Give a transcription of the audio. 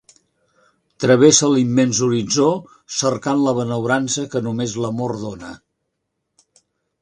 Travesse l'immens horitzó cercant la benaurança que només l'amor dona.